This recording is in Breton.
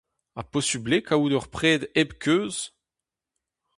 Ha posupl eo kaout ur pred hep keuz ?